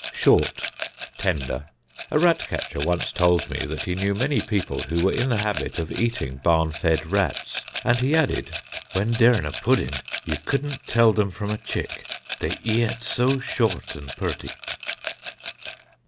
Short (Tender): A rat catcher once told me that he knew many people who were in the habit of eating barn fed rats, and he added, "When they're in a pudding you could not tell them from a chick, they eat so short and purty."